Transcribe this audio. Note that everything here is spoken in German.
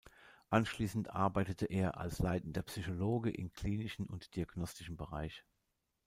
Anschließend arbeitete er als leitender Psychologe im klinischen und diagnostischen Bereich.